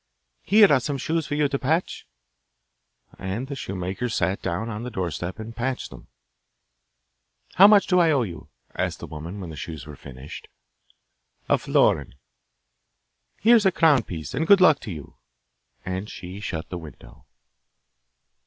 'Here are some shoes for you to patch.' And the shoemaker sat down on the doorstep and patched them. 'How much do I owe you?' asked the woman when the shoes were finished. 'A florin.' 'Here is a crown piece, and good luck to you.' And she shut the window.